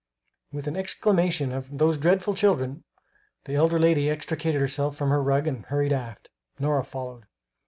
With an exclamation of "Those dreadful children!" the elder lady extricated herself from her rug and hurried aft. Nora followed.